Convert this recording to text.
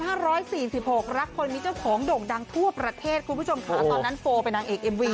รักคนมีเจ้าของโด่งดังทั่วประเทศคุณผู้ชมค่ะตอนนั้นโฟลเป็นนางเอกเอ็มวี